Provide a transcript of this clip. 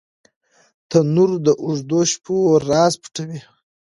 تنور د اوږدو شپو راز پټوي